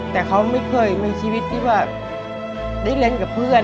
แต่เขาไม่เคยมีชีวิตที่แบบได้เล่นกับเพื่อน